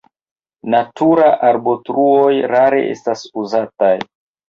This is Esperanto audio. Natura arbotruoj rare estas uzataj.